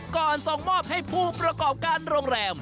ส่งมอบให้ผู้ประกอบการโรงแรม